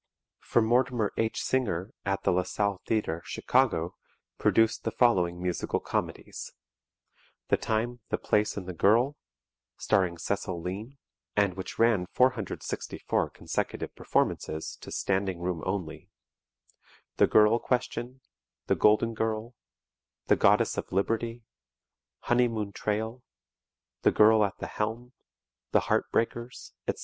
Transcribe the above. For Mortimer H. Singer at the La Salle Theatre, Chicago, produced the following Musical Comedies: "The Time, the Place and the Girl," starring Cecil Lean and which ran 464 consecutive performances to "standing room only"; "The Girl Question," "The Golden Girl," "The Goddess of Liberty," "Honeymoon Trail," "The Girl at the Helm," "The Heart Breakers," etc.